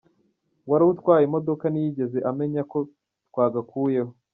Uwari atwaye imodoka ntiyigeze amenya ko twagakuyeho.